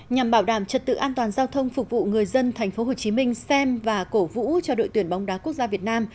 nhằm bảo đảm trật tự an toàn giao thông phục vụ người dân tp hcm xem và cổ vũ cho đội tuyển bóng đá quốc gia việt nam